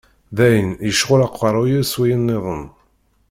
D ayen yecɣel uqerruy-iw s wayen-nniḍen.